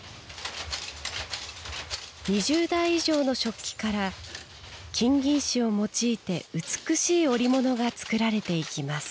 ２０台以上の織機から金銀糸を用いて美しい織物が作られていきます。